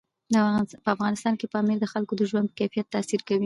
په افغانستان کې پامیر د خلکو د ژوند په کیفیت تاثیر کوي.